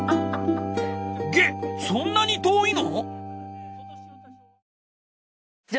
ゲッそんなに遠いの？